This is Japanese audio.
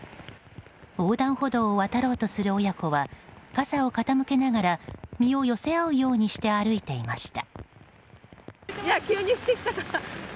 横断歩道を渡ろうとする親子は傘を傾けながら身を寄せ合うようにして歩いていました。